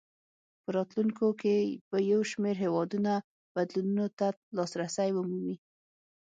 په راتلونکو کې به یو شمېر هېوادونه بدلونونو ته لاسرسی ومومي.